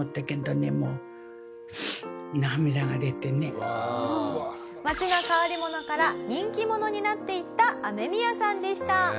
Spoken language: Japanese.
これが町の変わり者から人気者になっていったアメミヤさんでした。